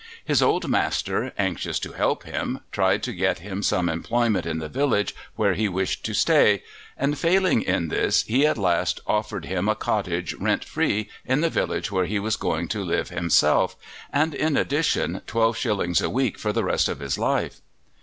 His old master, anxious to help him, tried to get him some employment in the village where he wished to stay; and failing in this, he at last offered him a cottage rent free in the village where he was going to live himself, and, in addition, twelve shillings a week for the rest of his life.